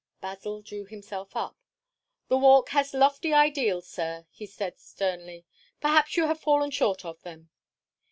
Basil drew himself up. "The Walk has lofty ideals, sir," he said sternly. "Perhaps you have fallen short of them."